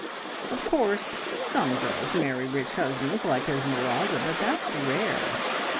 Of course, some girls marry rich husbands like Esmeralda; but that's rare.